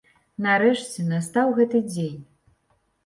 Нарэшце настаў гэты дзень.